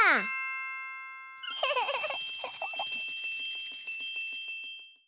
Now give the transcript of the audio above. フフフフフ。